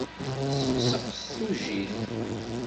Yesseqseq s tujit.